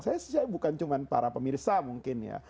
saya bukan cuma para pemirsa mungkin ya